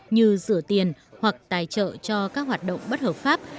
như rửa tiền hoặc tài trợ cho các hoạt động bất hợp pháp